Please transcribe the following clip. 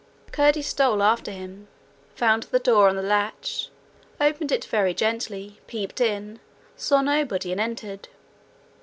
Curdie stole after him, found the door on the latch, opened it very gently, peeped in, saw nobody, and entered.